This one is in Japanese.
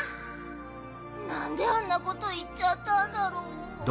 なんであんなこといっちゃったんだろう。